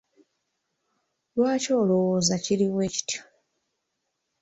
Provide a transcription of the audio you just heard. Lwaki olowooza kiri bwekityo?